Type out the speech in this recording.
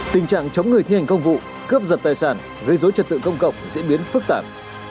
tình trạng chống người thi hành công vụ cướp giật tài sản gây dối trật tự công cộng diễn biến phức tạp